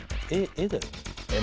絵だよね？